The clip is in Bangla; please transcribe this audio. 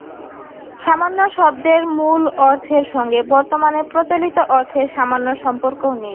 সামান্য শব্দের মূল অর্থের সঙ্গে বর্তমানে প্রচলিত অর্থের সামান্য সম্পর্কও নেই।